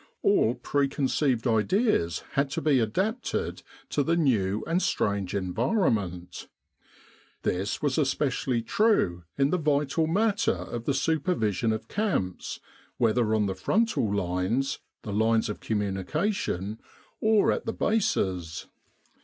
All pre conceived ideas had to be adapted to the new and strange environment. This was especially true in the vital matter of the super vision of camps whether on the frontal lines, the lines of communication, or at the bases.